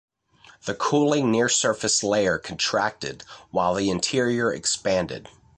The cooling near-surface layer contracted, while the interior expanded.